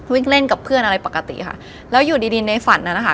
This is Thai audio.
วิ่งเล่นกับเพื่อนอะไรปกติค่ะแล้วอยู่ดีดีในฝันนั้นนะคะ